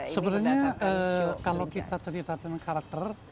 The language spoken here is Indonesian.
sebenarnya kalau kita cerita tentang karakter